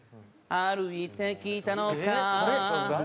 「歩いてきたのか？」